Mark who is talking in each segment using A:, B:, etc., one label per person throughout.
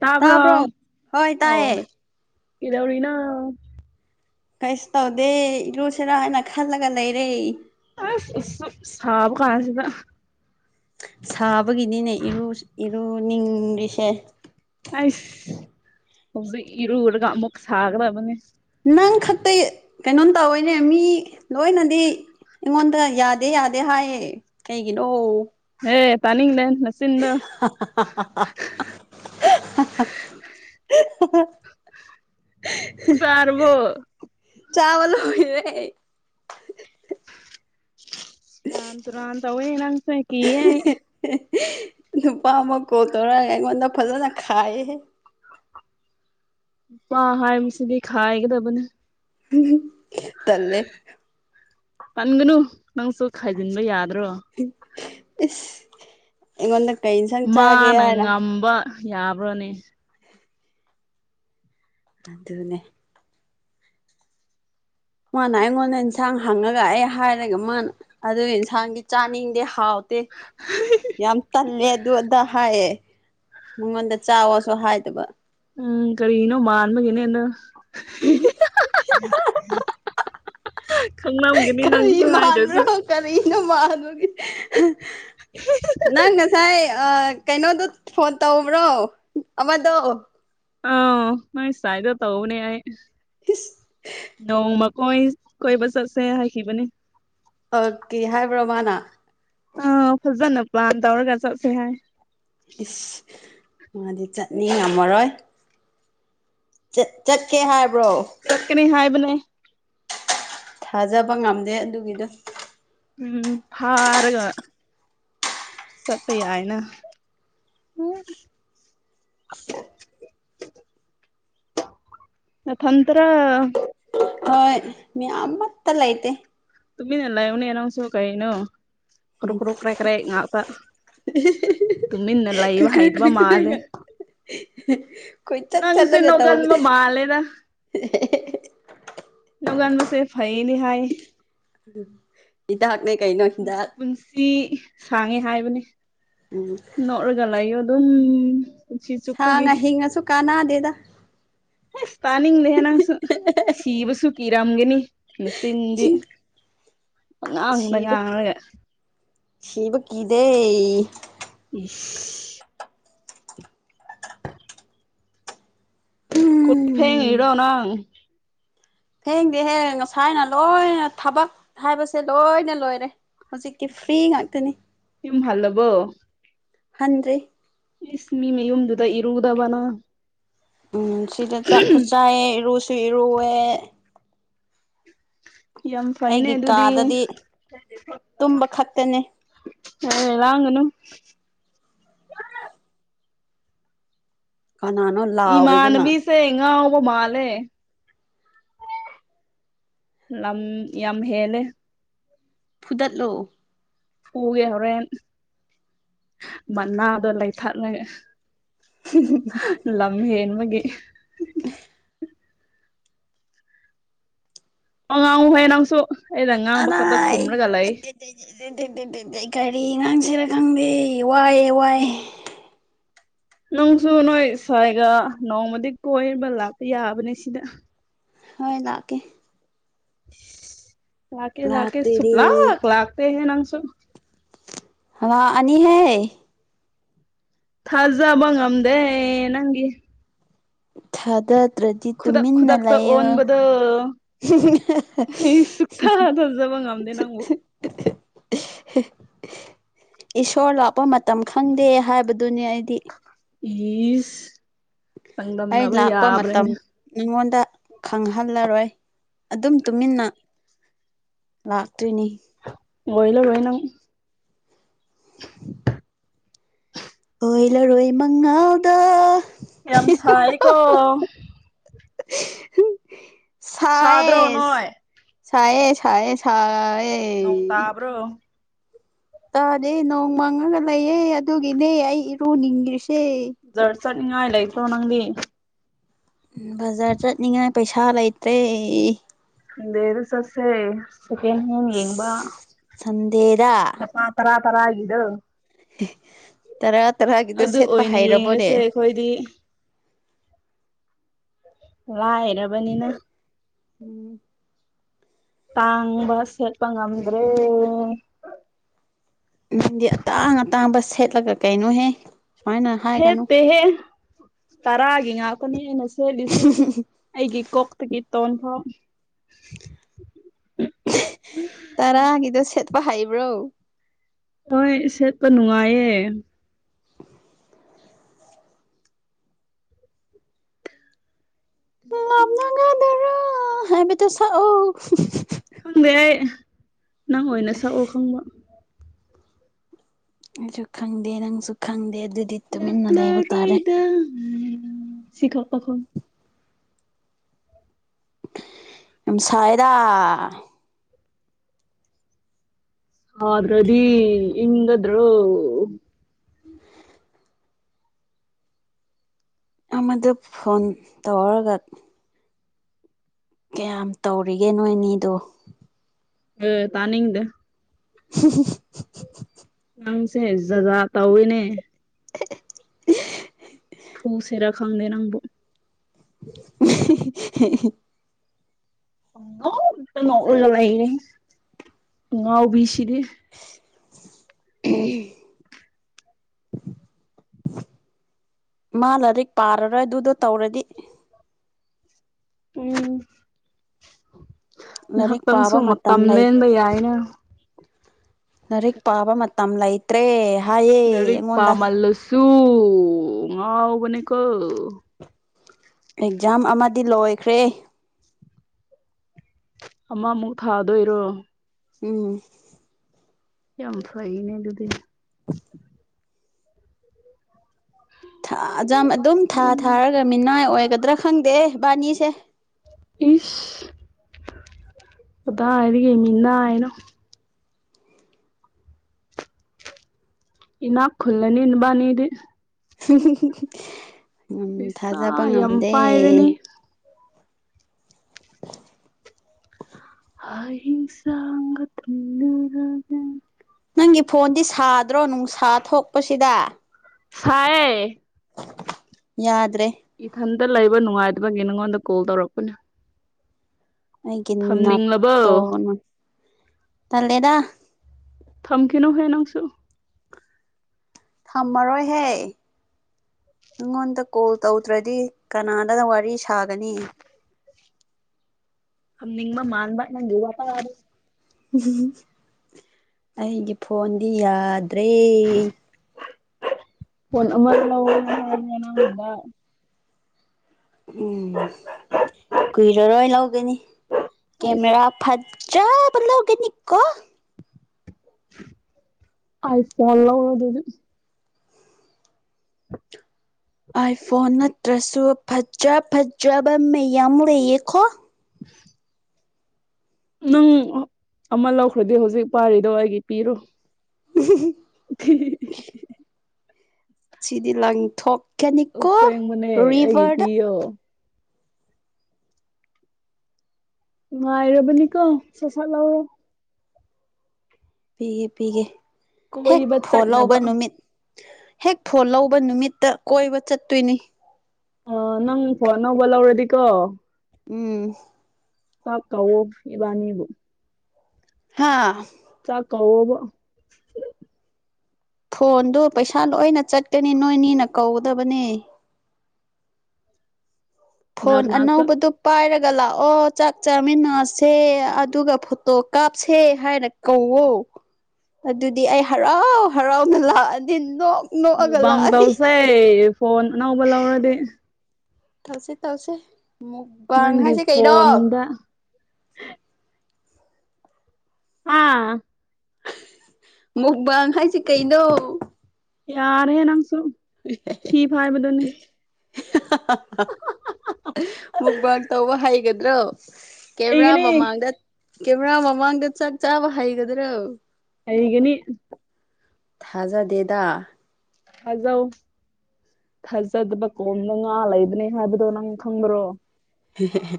A: ꯇꯥꯕ꯭ꯔꯣ
B: ꯍꯣꯏ
A: ꯑꯣ
B: ꯇꯥꯏꯌꯦ
A: ꯀꯩꯗꯧꯔꯤꯅꯣ
B: ꯀꯩꯁꯨ ꯇꯧꯗꯦ ꯏꯔꯨꯁꯤꯔꯥ ꯍꯥꯏꯅ ꯈꯜꯂꯒ ꯂꯩꯔꯦ
A: ꯑꯁ ꯑꯁꯨꯛ ꯁꯥꯕ ꯀꯥꯟꯁꯤꯗ
B: ꯁꯥꯕꯒꯤꯅꯤꯅꯦ ꯏꯔꯨ ꯏꯔꯨꯅꯤꯡꯔꯤꯁꯦ
A: ꯑꯩꯁ ꯍꯧꯖꯤꯛ ꯏꯔꯨꯔꯒ ꯑꯃꯨꯛ ꯁꯥꯒꯗꯕꯅꯦ
B: ꯅꯪ ꯈꯛꯇ ꯀꯩꯅꯣꯝ ꯇꯧꯋꯦꯅꯦ ꯃꯤ ꯂꯣꯏꯅꯗꯤ ꯑꯩꯉꯣꯟꯗ ꯌꯥꯗꯦ ꯌꯥꯗꯦ ꯍꯥꯏꯌꯦ ꯀꯩꯒꯤꯅꯣ
A: ꯍꯦ ꯇꯥꯅꯤꯡꯗꯦ ꯅꯆꯤꯟꯗꯣ
B: [inaudible]
A: ꯆꯥꯔꯕꯣ
B: ꯆꯥꯕ ꯂꯣꯏꯔꯦ
A: ꯁꯦꯔꯥꯟ ꯇꯨꯔꯥꯟ ꯇꯧꯋꯦ ꯅꯪꯁ ꯀꯤꯍꯩ
B: ꯅꯨꯄꯥ ꯑꯃ ꯀꯣꯜ ꯇꯧꯔꯒ ꯑꯩꯉꯣꯟꯗ ꯐꯖꯅ ꯈꯥꯏꯌꯦ
A: ꯄꯥ ꯍꯥꯏꯕꯁꯤꯗꯤ ꯈꯥꯏꯒꯗꯕꯅꯦ
B: ꯇꯂꯦ
A: ꯇꯟꯒꯅꯨ ꯅꯪꯁꯨ ꯈꯥꯏꯖꯤꯟꯕ ꯌꯥꯗ꯭ꯔꯣ
B: ꯏꯁ ꯑꯩꯉꯣꯟꯗ ꯀꯩ ꯏꯟꯁꯥꯡ ꯆꯥꯒꯦ
A: ꯃꯥꯅ
B: ꯍꯥꯏꯅ
A: ꯉꯝꯕ ꯌꯥꯕ꯭ꯔꯣꯅꯦ
B: ꯑꯗꯨꯅꯦ ꯃꯥꯅ ꯑꯩꯉꯣꯟꯗ ꯏꯟꯁꯥꯡ ꯍꯪꯉꯒ ꯑꯦ ꯍꯥꯏꯔꯒ ꯃꯥꯅ ꯑꯗꯨ ꯏꯟꯁꯥꯡꯗꯤ ꯆꯥꯅꯤꯡꯗꯤ ꯍꯥꯎ ꯇꯦ ꯌꯥꯝ ꯇꯜꯂꯦ ꯑꯗꯨ ꯑꯗ ꯍꯥꯏꯌꯦꯦ ꯃꯉꯣꯟꯗ ꯆꯥꯎꯑꯣꯁꯨ ꯍꯥꯏꯗꯕ
A: ꯎꯝ ꯀꯔꯤꯅꯣ ꯃꯥꯟꯕꯒꯤꯅꯦꯅ ꯈꯪꯂꯝꯒꯅꯤ
B: ꯀꯔꯤ
A: ꯅꯪꯁꯨ ꯍꯥꯏꯗ꯭ꯔꯁꯨ
B: ꯃꯥꯟꯕ꯭ꯔꯣ ꯀꯔꯤꯅꯣ ꯃꯥꯟꯕꯒꯤ ꯅꯪ ꯉꯁꯥꯏ ꯀꯩꯅꯣꯗꯣ ꯐꯣꯟ ꯇꯧꯕ꯭ꯔꯣ ꯑꯃꯗꯣ
A: ꯑꯥ ꯅꯣꯏ ꯁꯥꯏꯗ ꯇꯧꯕꯅꯦ ꯑꯩ
B: ꯏꯁ
A: ꯅꯣꯡꯃ ꯍꯣꯏ ꯀꯣꯏꯕ ꯆꯠꯁꯦ ꯍꯥꯏꯈꯤꯕꯅꯦ
B: ꯑꯥ ꯀꯦ ꯍꯥꯏꯕ꯭ꯔꯣ ꯃꯥꯅ
A: ꯑꯥ ꯐꯖꯅ ꯄꯂꯥꯟ ꯇꯧꯔꯒ ꯆꯠꯁꯦ ꯍꯥꯏ
B: ꯏꯁ ꯃꯥꯗꯤ ꯆꯠꯅꯤꯡ ꯉꯝꯃꯔꯣꯏ ꯆꯠ ꯆꯠꯀꯦ ꯍꯥꯏꯕ꯭ꯔꯣ
A: ꯆꯠꯀꯅꯤ ꯍꯥꯏꯕꯅꯦ
B: ꯊꯥꯖꯕ ꯉꯝꯗꯦ ꯑꯗꯨꯒꯤꯗꯣ
A: ꯎꯝ ꯐꯥꯔꯒ ꯆꯠꯄ ꯌꯥꯥꯏꯅ ꯅꯊꯟꯇ꯭ꯔꯥ
B: ꯍꯣꯏ ꯃꯤ ꯑꯃꯠꯇ ꯂꯩꯇꯦ
A: ꯇꯨꯃꯤꯟꯅ ꯂꯩꯌꯨꯅꯦ ꯅꯪꯁꯨ ꯀꯔꯤꯅꯣ ꯀꯔꯨꯛ ꯀꯔꯨꯛ ꯀꯔꯦꯛ ꯀꯔꯦꯛ ꯉꯥꯛꯇ ꯇꯨꯃꯤꯟꯅ
B: ꯀ꯭ꯔꯤ
A: ꯂꯩꯕ
B: ꯀ꯭ꯔꯤ
A: ꯍꯩꯗꯨꯕ
B: ꯀ꯭ꯔꯤ
A: ꯃꯥꯜꯂꯦ
B: ꯀ꯭ꯔꯤꯒ ꯀꯣꯏꯆꯠ
A: ꯅꯪꯁꯦ
B: ꯆꯠꯂꯒ ꯇꯧꯕꯅꯦ
A: ꯅꯣꯒꯟꯕ ꯃꯥꯂꯦꯗ
B: [unintelligible]
A: ꯅꯒꯥꯟꯕꯁꯦ ꯐꯩꯅꯤ ꯍꯥꯏ
B: ꯍꯤꯗꯥꯛꯅꯦ ꯀꯩꯅꯣ ꯍꯤꯗꯥꯛ
A: ꯁꯤ ꯁꯥꯡꯉꯦ ꯍꯥꯏꯕꯅꯦ
B: ꯎꯝ
A: ꯇꯧꯔꯒ ꯂꯩꯌꯣ ꯑꯗꯨꯝ ꯄꯨꯟꯁꯤ ꯆꯨꯞꯄꯒꯤ
B: ꯁꯥꯡꯉ ꯍꯤꯡꯉꯁꯨ ꯀꯥꯟꯅꯗꯦꯗ
A: ꯍꯝ ꯇꯥꯅꯤꯡꯗꯦꯍꯦ ꯅꯪꯁꯨ ꯁꯤꯕꯁꯨ ꯀꯤꯔꯝꯒꯅꯤ ꯅꯆꯤꯟꯗꯤ ꯄꯉꯥꯡꯗ
B: ꯁꯤꯕ
A: ꯉꯥꯡꯔꯒ
B: ꯁꯤꯕ ꯀꯤꯗꯦ
A: ꯏꯁ [unintelligible]
B: ꯎꯝ
A: [unintelligible] ꯅꯥꯡ
B: ꯍꯦꯡꯗꯦꯍꯦ ꯉꯁꯥꯏꯅ ꯂꯣꯏꯅ ꯊꯕꯛ ꯍꯥꯏꯕꯁꯦ ꯂꯣꯏꯅ ꯂꯣꯏꯔꯦ ꯍꯧꯖꯤꯛꯇꯤ ꯐ꯭ꯔꯤ
A: ꯏꯁ
B: ꯉꯥꯛꯇꯅꯤ
A: ꯌꯨꯝ ꯍꯜꯂꯕꯣ
B: ꯍꯟꯗ꯭ꯔꯤ
A: ꯏꯁ ꯃꯤ ꯃꯌꯨꯝꯗꯨꯗ ꯏꯔꯨꯗꯕꯅ
B: ꯎꯝ ꯁꯤꯗ ꯆꯥꯛꯐꯨ ꯆꯥꯏꯑꯦ ꯏꯔꯨꯁꯨ ꯏꯔꯨꯋꯦ
A: ꯌꯥꯝ ꯐꯥꯏꯅꯦ
B: ꯑꯩꯒꯤ
A: ꯑꯗꯨꯗꯤ
B: ꯀꯥꯗꯗꯤ ꯇꯨꯝꯕ
A: [unintelligible]
B: ꯈꯛꯇꯅꯦ
A: ꯑꯦ ꯂꯥꯡꯒꯅꯨ
B: ꯀꯅꯥꯅꯣ ꯂꯥꯎꯔꯤꯗꯨꯅ
A: ꯏꯃꯥꯟꯅꯃꯤꯁꯦ ꯉꯥꯎꯕ ꯃꯥꯜꯂꯦ ꯅꯝ ꯌꯥꯝ ꯍꯦꯜꯂꯦ
B: ꯐꯨꯗꯠꯂꯣ
A: ꯐꯨꯒꯦ ꯍꯣꯔꯦꯟ ꯃꯅꯥꯗꯣ ꯂꯩꯊꯠꯂꯒꯦ
B: [unintelligible]
A: ꯂꯝ ꯍꯦꯟꯕꯒꯤ ꯑ ꯉꯥꯡꯉꯨꯍꯦ ꯅꯪꯁꯨ ꯑꯩꯅ ꯉꯥꯡꯕ ꯈꯛꯇ
B: ꯑꯅꯥꯏ
A: ꯈꯨꯝꫪꯒ ꯂꯩ
B: [unintelligible] ꯀꯔꯤ ꯉꯥꯡꯁꯤꯔ ꯈꯪꯗꯦ ꯋꯥꯏꯑꯦ ꯋꯥꯏ
A: ꯅꯪꯁꯨ ꯅꯣꯏ ꯁ꯭ꯋꯥꯏꯒ ꯅꯣꯡꯃꯗꯤ ꯀꯣꯏꯕ ꯂꯥꯛꯄ ꯌꯥꯕꯅꯦ ꯁꯤꯗ
B: ꯍꯣꯏ ꯂꯥꯛꯀꯦ
A: ꯂꯥꯛꯀꯦ ꯂꯥꯛꯀꯦ ꯁꯨꯞ
B: ꯂꯥꯛꯇꯣꯏꯅꯦ
A: ꯂꯥꯛ ꯂꯥꯛꯇꯦꯍꯦ ꯅꯪꯁꯨ
B: ꯍꯂ ꯑꯅꯤ ꯍꯦ
A: ꯊꯥꯖꯥꯕ ꯉꯝꯗꯦ ꯅꯪꯒꯤ
B: ꯊꯥꯗ ꯇ꯭ꯔꯗꯤ
A: ꯈꯨꯗꯛ
B: ꯇꯨꯃꯤꯟꯅ
A: ꯈꯨꯗꯛꯇ
B: ꯂꯩꯌꯣ
A: ꯑꯣꯟꯕꯗꯣ ꯑꯩ ꯁꯨꯛꯊꯥ ꯊꯥꯖꯕ ꯉꯝꯗꯦ ꯅꯪꯕꯨ
B: [unintelligible] [unintelligible] ꯏꯁꯣꯔ ꯂꯥꯛꯄ ꯃꯇꯝ ꯈꯪꯗꯦ ꯍꯥꯏꯕꯗꯨꯅꯦ ꯑꯩꯗꯤ
A: ꯏꯁ
B: ꯑꯩ
A: ꯆꯥꯡꯗꯝꯅꯕ
B: ꯂꯥꯛꯄ ꯃꯇꯝ
A: ꯌꯥꯕ꯭ꯔꯅꯦ
B: ꯅꯉꯣꯟꯗ ꯈꯪꯍꯜꯂꯔꯣꯏ ꯑꯗꯨꯝ ꯇꯨꯃꯤꯟꯅ ꯂꯥꯛꯇꯣꯏꯅꯤ
A: ꯑꯣꯏꯂꯔꯣꯏ ꯅꯪ
B: ꯑꯣꯏꯂꯔꯣꯏ ꯃꯉꯥꯥꯜꯗ
A: ꯌꯥꯝ ꯁꯥꯏꯀꯣ ꯁꯥꯗ꯭ꯔꯣ
B: ꯁꯥꯌꯦ
A: ꯅꯣꯏ
B: ꯁꯥꯌꯦ ꯁꯥꯌꯦ ꯁꯥꯥꯥꯌꯦ
A: ꯅꯣꯡ ꯇꯥꯕ꯭ꯔꯣ
B: ꯇꯥꯗꯦ ꯅꯣꯡ ꯃꯪꯉꯒ ꯂꯩꯌꯦ ꯑꯗꯨꯒꯤꯅꯦ ꯑꯩ ꯏꯔꯨꯅꯤꯡꯗ꯭ꯔꯤꯁꯦ
A: ꯖꯥꯔ ꯆꯠꯅꯤꯡꯉꯥꯏ ꯂꯩꯇ꯭ꯔꯣ ꯅꯪꯗꯤ
B: ꯕꯖꯥꯔ ꯆꯠꯅꯤꯡꯉꯥꯏ ꯄꯩꯁꯥ ꯂꯩꯇ꯭ꯔꯦ
A: ꯁꯟꯗꯦꯗ ꯆꯠꯁꯦ ꯁꯦꯀꯦꯟꯍꯦꯟ ꯌꯦꯡꯕ
B: ꯁꯟꯗꯦꯗ
A: ꯄꯥ ꯇꯔꯥ ꯇꯔꯥ ꯒꯤꯗꯣ
B: ꯇꯔꯥ ꯇꯔꯥꯒꯤꯗꯣ ꯁꯦꯠꯄ ꯍꯩꯔꯕꯣꯅꯦ
A: ꯈꯣꯏꯗꯤ ꯂꯥꯏꯔꯕꯅꯤꯅ
B: ꯎꯝ
A: ꯇꯥꯡꯕ ꯁꯦꯠꯄ ꯉꯝꯗ꯭ꯔꯦ
B: ꯅꯪꯗꯤ ꯑꯇꯥꯡ ꯑꯇꯥꯡꯕ ꯁꯦꯠꯂꯒ ꯀꯩꯅꯣꯍꯦ ꯁꯨꯃꯥꯏꯅ ꯍꯥꯏꯒꯅꯨ
A: ꯁꯦꯠꯇꯦꯍꯦ ꯇꯔꯥꯒꯤ ꯉꯥꯛꯇꯅꯤ ꯑꯩꯅ ꯁꯦꯠꯂꯤꯁꯦ ꯑꯩꯒꯤ ꯀꯣꯛꯇꯒꯤ ꯇꯣꯟꯐꯥꯎ
B: ꯇꯔꯥꯒꯤꯗꯣ ꯁꯦꯠꯄ ꯍꯩꯕ꯭ꯔꯣ
A: ꯍꯣꯏ ꯁꯦꯠꯄ ꯅꯨꯡꯉꯥꯏꯌꯦ
B: [unintelligible] ꯁꯛꯑꯣ
A: ꯈꯪꯗꯦ ꯑꯩ ꯅꯪ ꯑꯣꯏꯅ ꯁꯛꯑꯣ ꯈꯪꯕ
B: ꯑꯩꯁꯨ ꯈꯪꯗꯦ ꯅꯪꯁꯨ ꯈꯪꯗꯦ ꯑꯗꯨꯗꯤ ꯇꯨꯃꯤꯟꯅ ꯂꯩꯕ ꯇꯥꯔꯦ
A: ꯂꯥꯛꯂꯔꯣꯏꯗꯔ ꯁꯤꯈꯛꯇ ꯈꯪ
B: ꯌꯥꯝ ꯁꯥꯏꯗ
A: ꯁꯥꯗ꯭ꯔꯗꯤ ꯏꯪꯒꯗ꯭ꯔꯣ
B: ꯑꯃꯗꯨ ꯐꯣꯟ ꯇꯧꯔꯒ ꯀꯌꯥꯝ ꯇꯧꯔꯤꯒꯦ ꯅꯣꯏꯅꯤꯗꯣ
A: ꯍꯦ ꯇꯥꯅꯤꯡꯗꯦ
B: [unintelligible]
A: ꯅꯪꯁꯦ ꯖꯥꯠ ꯖꯥꯠ ꯇꯧꯏꯅꯦ
B: [unintelligible]
A: ꯐꯨꯁꯤꯔꯥ ꯈꯪꯗꯦ ꯅꯪꯕꯨ
B: [unintelligible]
A: ꯄꯨꯅꯣꯛꯇ ꯅꯣꯛꯂꯒ ꯂꯩꯔꯦ ꯑꯉꯥꯎꯕꯤꯁꯤꯗꯤ
B: [unintelligible] ꯃꯥ ꯂꯥꯏꯔꯤꯛ ꯄꯥꯔꯔꯣꯏ ꯑꯗꯨꯗꯣ ꯇꯧꯔꯗꯤ
A: ꯎꯝ
B: ꯂꯥꯏꯔꯤꯛ
A: ꯉꯥꯏꯍꯥꯛꯇꯪꯁꯨ
B: ꯄꯥꯕ
A: ꯃꯇꯝ
B: ꯂꯩ
A: ꯂꯦꯟꯕ ꯌꯥꯏꯅ
B: ꯂꯥꯏꯔꯤꯛ ꯄꯥꯕ ꯃꯇꯝ ꯂꯩꯇ꯭ꯔꯦ ꯍꯥꯏꯌꯦ ꯑꯩꯉꯣꯟꯗ
A: ꯑꯗꯨ ꯉꯥꯎꯕꯅꯤ ꯀꯣ
B: ꯑꯦꯛꯖꯥꯝ ꯑꯃꯗꯤ ꯂꯣꯏꯈ꯭ꯔꯦ
A: ꯑꯃꯃꯨꯛ ꯊꯥꯗꯣꯏꯔꯣ
B: ꯎꯝ
A: ꯌꯥꯝ ꯐꯩꯅꯦ ꯑꯗꯨꯗꯤ
B: ꯊꯥ ꯑꯦꯛꯖꯥꯝ ꯑꯗꯨꯝ ꯊꯥ ꯊꯥꯔꯒ ꯃꯤꯅꯥꯏ ꯑꯣꯏꯒꯗ꯭ꯔꯥ ꯈꯪꯗꯦ ꯏꯕꯥꯅꯤꯁꯦ
A: ꯏꯁ ꯀꯗꯥꯏꯗꯒꯤ ꯃꯤꯅꯥꯏꯅꯣ ꯏꯅꯥꯛ ꯈꯨꯜꯂꯅꯤ ꯅꯕꯥꯅꯤꯗꯤ
B: ꯎꯝ ꯊꯥꯖꯕ
A: ꯄꯩꯁꯥ ꯌꯥꯝ
B: ꯉꯝꯗꯦ
A: ꯄꯥꯏꯔꯅꯤ [unintelligible]
B: ꯅꯪꯒꯤ ꯐꯣꯟꯗꯤ ꯁꯥꯗ꯭ꯔꯣ ꯅꯨꯡꯁꯥ ꯊꯣꯛꯄꯁꯤꯗ
A: ꯁꯥꯏꯌꯦ
B: ꯌꯥꯗ꯭ꯔꯦ
A: ꯏꯊꯟꯇ ꯂꯩꯕ ꯅꯨꯡꯉꯥꯏꯗꯕꯒꯤ ꯅꯪꯉꯣꯟꯗ ꯀꯣꯜ ꯇꯧꯔꯛꯄꯅꯦ
B: ꯑꯩꯒꯤ
A: ꯊꯝꯅꯤꯡꯂꯕꯣ
B: ꯅꯠꯇꯣꯟꯅ ꯇꯟꯂꯦꯗ
A: ꯊꯝꯈꯤꯅꯨ ꯍꯦ ꯅꯪꯁꯨ
B: ꯊꯝꯃꯔꯣꯏꯍꯦ ꯅꯪꯉꯣꯟꯗ ꯀꯣꯜ ꯇꯧꯗ꯭ꯔꯗꯤ ꯀꯅꯥꯗ ꯋꯥꯔꯤ ꯁꯥꯒꯅꯤ
A: ꯊꯝꯅꯤꯡꯕ ꯃꯥꯥꯟꯕ ꯅꯪꯒꯤ ꯋꯥꯇꯗꯨ
B: ꯑꯩꯒꯤ ꯐꯣꯟꯗꯤ ꯌꯥꯗ꯭ꯔꯦ
A: ꯐꯣꯟ ꯑꯃ ꯂꯧꯔꯣ ꯍꯥꯏꯕꯅꯦ ꯅꯪꯉꯣꯟꯗ
B: ꯎꯝ ꯀꯨꯏꯔꯔꯣꯏ ꯂꯧꯒꯅꯤ
A: ꯑꯁ
B: ꯀꯦꯃꯦꯔ ꯐꯠꯖꯥꯕ ꯂꯧꯒꯅꯤꯀꯣ
A: ꯑꯥꯢ ꯐꯣꯟ ꯂꯧꯔꯣ ꯑꯗꯨꯗꯤ
B: ꯑꯥꯏꯐꯣꯟ ꯅꯠꯇ꯭ꯔꯁꯨ ꯐꯠꯖꯥ ꯐꯠꯖꯥꯕ ꯃꯌꯥꯝ ꯂꯩꯌꯦꯈꯣ
A: ꯅꯪ ꯑꯥ ꯑꯃ ꯂꯧꯈ꯭ꯔꯗꯤ ꯍꯧꯖꯤꯛ ꯄꯥꯔꯤꯗꯣ ꯑꯩꯒꯤ ꯄꯤꯔꯣ
B: [unintelligible]
A: [unintelligible]
B: ꯁꯤꯗꯤ ꯂꯪꯊꯣꯛꯀꯅꯤꯀꯣ ꯔꯤꯚꯔꯗ
A: ꯌꯣ ꯉꯥꯏꯔꯕꯅꯤꯀꯣ ꯁꯥꯁꯠ ꯂꯧꯔꯣ
B: ꯄꯤꯒꯦ ꯄꯤꯒꯦ ꯍꯦꯛ
A: ꯀꯣꯏꯕ
B: ꯐꯣꯟ ꯂꯧꯕ
A: ꯆꯠꯅꯕ
B: ꯅꯨꯃꯤꯠ ꯍꯦꯛ ꯐꯣꯟ ꯂꯧꯕ ꯅꯨꯃꯤꯠꯇ ꯀꯣꯏꯕ ꯆꯠꯇꯣꯏꯅꯤ
A: ꯑꯥ ꯅꯪ ꯐꯣꯟ ꯑꯅꯧꯕ ꯂꯧꯔꯗꯤꯀꯣ
B: ꯎꯝ
A: ꯆꯥꯛ ꯀꯧꯑꯣ ꯏꯕꯟꯅꯤꯕꯨ
B: ꯍꯥꯥ
A: ꯆꯥꯛ ꯀꯧꯋꯣꯕ
B: ꯐꯣꯟꯗꯨ ꯄꯩꯁꯥ ꯂꯣꯏꯅ ꯆꯠꯀꯅꯤ ꯅꯣꯏꯅꯤꯅ ꯀꯧꯒꯗꯕꯅꯦ
A: ꯀꯅꯥ
B: ꯐꯣꯟ
A: ꯀꯅꯥ ꯆꯠ
B: ꯑꯥꯅꯧꯕꯗꯨꯞ ꯄꯥꯏꯔꯒ ꯂꯥꯛꯑꯣ ꯆꯥꯛ ꯆꯥꯃꯤꯟꯅꯁꯦ ꯑꯗꯨꯒ ꯐꯣꯇꯣ ꯀꯥꯞꯁꯦ ꯍꯥꯏꯔꯛ ꯀꯧꯋꯣ ꯑꯗꯨꯗꯤ ꯑꯩ ꯍꯥꯔꯥꯎ ꯍꯥꯔꯥꯎꯅ ꯂꯥꯛꯑꯅꯤ ꯅꯣꯛ ꯅꯣꯛꯑꯒ
A: ꯃꯨꯛꯕꯥꯡ
B: ꯂꯥꯛꯑꯅꯤ
A: ꯇꯧꯁꯩ ꯐꯣꯟ ꯑꯅꯧꯕ ꯂꯧꯔꯗꯤ
B: ꯇꯧꯁꯦ ꯇꯧꯁꯦ, ꯃꯨꯛꯕꯥꯡ
A: ꯅꯪꯒꯤ
B: ꯍꯥꯏꯁꯦ ꯀꯩꯅꯣ?
A: ꯐꯣꯟꯗ ꯑꯥ
B: ꯃꯨꯛꯕꯥꯡ ꯍꯥꯏꯁꯤ ꯀꯩꯅꯣ?
A: ꯌꯥꯔꯦꯍꯦ ꯅꯪꯁꯨ ꯊꯤ ꯐꯥꯏꯕꯗꯨꯅꯤ꯫
B: [unintelligible] ꯃꯨꯛꯕꯥꯥꯛ ꯇꯧꯕ ꯍꯩꯒꯗ꯭ꯔꯣ? ꯀꯦꯃꯦꯔꯥ
A: ꯍꯩꯒꯅꯤ
B: ꯃꯃꯥꯡꯗ ꯀꯦꯃꯦꯔꯥ ꯃꯃꯥꯡꯗ ꯆꯥꯛ ꯆꯥꯕ ꯍꯩꯒꯗ꯭ꯔꯣ?
A: ꯍꯩꯒꯅꯤ꯫
B: ꯊꯥꯖꯗꯦꯗꯥ
A: ꯊꯥꯖꯧ ꯊꯥꯖꯗꯕ ꯀꯣꯝꯗꯥ ꯉꯥ ꯂꯩꯕꯅꯦ ꯍꯥꯏꯕꯗꯣ ꯅꯪ ꯈꯪꯗꯔꯣ
B: ꯍꯦ ꯍꯦ ꯍꯦ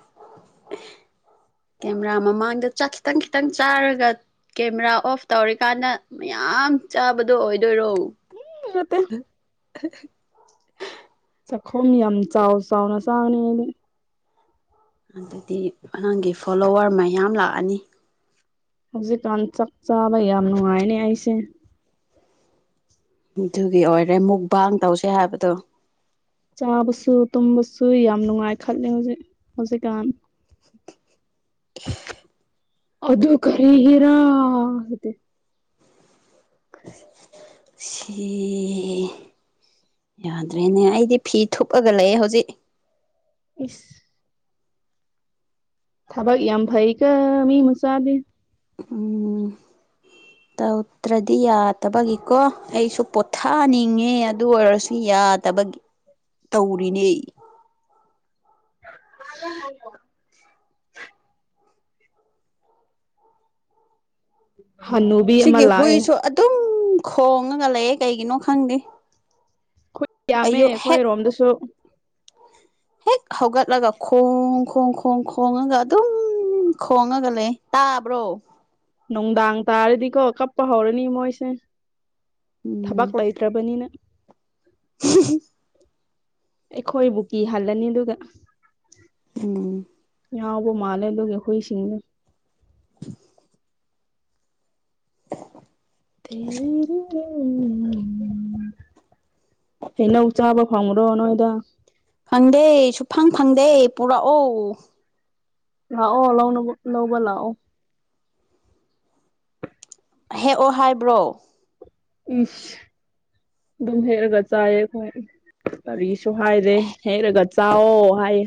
B: ꯀꯦꯃꯦꯔꯥ ꯃꯃꯥꯡꯗ ꯆꯥꯛ ꯈꯤꯇꯪ ꯈꯤꯇꯪ ꯆꯥꯔꯒꯠ ꯀꯦꯃꯦꯔꯥ ꯑꯣꯐ ꯇꯧꯔꯤꯀꯥꯟꯗ ꯃꯌꯥꯝ ꯆꯥꯕꯗꯣ ꯑꯣꯏꯗꯣꯏꯔꯣ?
A: ꯎꯝ ꯅꯠꯇꯦ
B: [unintelligible]
A: ꯆꯥꯛꯈꯣꯝ ꯌꯥꯝ ꯆꯥꯎ ꯆꯥꯎꯅ ꯆꯥꯒꯅꯤ ꯑꯩꯗꯤ
B: ꯑꯗꯨꯗꯤ ꯑꯉꯥꯡꯒꯤ ꯐꯣꯂꯣꯋꯔ ꯃꯌꯥꯝ ꯂꯥꯛꯑꯅꯤ
A: ꯍꯧꯖꯤꯛꯀꯥꯟ ꯆꯥꯛꯆꯥꯕ ꯌꯥꯝ ꯅꯨꯡꯉꯥꯏꯅꯦ ꯑꯩꯁꯦ
B: ꯑꯗꯨꯒꯤ ꯑꯣꯏꯔꯦ ꯃꯨꯛꯕꯥꯡ ꯇꯧꯁꯦ ꯍꯥꯏꯕꯗꯣ
A: ꯆꯥꯕꯁꯨ ꯇꯨꯝꯕꯁꯨ ꯌꯥꯝ ꯅꯨꯡꯉꯥꯏ ꯈꯠꯂꯦ ꯍꯧꯖꯤꯛ ꯍꯧꯖꯤꯛꯀꯥꯟ
B: [unintelligible]
A: ꯑꯗꯨ ꯀꯔꯤꯒꯤꯔꯥ [unintelligible]
B: ꯁꯤ ꯌꯥꯗ꯭ꯔꯦꯅꯦ ꯑꯩꯗꯤ ꯐꯤ ꯊꯨꯞꯑꯒꯥ ꯂꯩ ꯍꯧꯖꯤꯛ
A: ꯏꯁ ꯊꯕꯛ ꯌꯥꯝ ꯐꯩꯀꯣ ꯃꯤ ꯃꯆꯥꯗꯤ
B: ꯎꯝ ꯎꯠꯇ꯭ꯔꯗꯤ ꯌꯥꯗꯕꯒꯤꯀꯣ ꯑꯩꯁꯨ ꯄꯣꯠ ꯊꯥꯅꯤꯡꯉꯦ ꯑꯗꯨ ꯑꯣꯏꯔꯁꯨ ꯌꯥꯗꯕꯒꯤ ꯇꯧꯔꯤꯅꯦ
A: [unintelligible] ꯍꯅꯨ
B: ꯁꯤꯒꯤ ꯍꯨꯏꯁꯨ ꯑꯗꯨꯝ ꯈꯣꯡꯉꯒ ꯂꯩꯌꯦ ꯀꯩꯒꯤꯅꯣ ꯈꯪꯗꯦ
A: ꯌꯥꯝꯃꯦ
B: ꯑꯌꯨꯛ
A: ꯑꯩꯈꯣꯏ
B: ꯍꯦꯛ
A: ꯔꯣꯝꯗꯁꯨ
B: ꯍꯦꯛ ꯍꯧꯒꯠꯂꯒ ꯈꯣꯡ ꯈꯣꯡ ꯈꯣꯡ ꯈꯣꯡꯉꯒ ꯑꯗꯨꯝ ꯎꯝ ꯈꯣꯡꯉꯒ ꯂꯩ ꯇꯥꯕ꯭ꯔꯣ
A: ꯅꯨꯡꯗꯥꯡ ꯇꯥꯔꯗꯤꯀꯣ ꯀꯞꯄ ꯍꯧꯔꯅꯤ ꯃꯣꯏꯁꯦ
B: ꯎꯝ
A: ꯊꯕꯛ ꯂꯩꯇ꯭ꯔꯕꯅꯤꯅ
B: [unintelligible]
A: ꯑꯩꯈꯣꯏꯕꯨ ꯀꯤꯍꯜꯂꯅꯤ ꯑꯗꯨꯒ
B: ꯎꯝ
A: ꯉꯥꯎꯕ ꯃꯥꯜꯂꯦ ꯑꯗꯨꯒꯤ ꯍꯨꯏꯁꯤꯡꯅꯦ
B: [unintelligible]
A: ꯇꯦꯔꯦ ꯍꯩꯅꯧ ꯆꯥꯕ ꯐꯪꯕ꯭ꯔꯣ ꯅꯣꯏꯗ
B: ꯐꯪꯗꯦ ꯁꯨꯐꯪ ꯐꯪꯗꯦ ꯄꯨꯔꯛꯑꯣ
A: ꯂꯥꯛꯑꯣ ꯂꯧꯅꯕ ꯂꯧꯕ ꯂꯥꯛꯑꯣ
B: ꯍꯦꯛꯑꯣ ꯍꯥꯏꯕ꯭ꯔꯣ
A: ꯏꯁ ꯑꯗꯨꯝ ꯍꯦꯛꯑꯒ ꯆꯥꯏꯌꯦ ꯑꯩꯈꯣꯏ ꯀꯔꯤꯁꯨ ꯍꯥꯏꯔꯦ ꯍꯦꯛꯔꯒ ꯆꯥꯎꯋꯣ ꯍꯥꯏꯌꯦ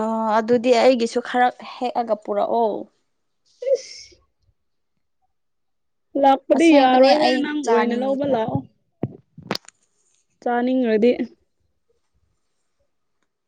B: ꯑ ꯑꯗꯨꯗꯤ ꯑꯩꯒꯤꯁꯨ ꯈꯔ ꯍꯦꯛꯑꯒ ꯄꯨꯔꯛꯑꯣ
A: ꯏꯁ ꯂꯥꯛꯄꯗꯤ
B: ꯑꯁꯦꯡꯕꯅꯦ
A: ꯌꯥꯔꯣꯏꯍꯦ
B: ꯑꯩ
A: ꯅꯪ ꯑꯣꯏꯅ
B: ꯆꯥꯅꯤꯡꯉꯤ
A: ꯂꯧꯕ
B: ꯆꯥꯅꯤꯡ
A: ꯂꯥꯛꯑꯣ ꯆꯥꯅꯤꯡꯔꯗꯤ